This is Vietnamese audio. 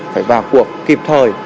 phải vào cuộc kịp thời